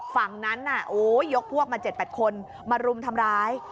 ฝั่งนั้นยกพวกมา๗๘คนมารุมทำร้าย